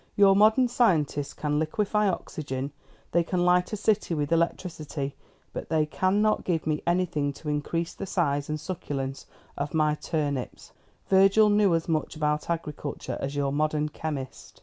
Your modern scientists can liquefy oxygen, they can light a city with electricity, but they cannot give me anything to increase the size and succulence of my turnips. Virgil knew as much about agriculture as your modern chemist."